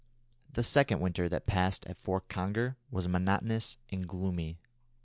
The second winter that was passed at Fort Conger was monotonous and gloomy.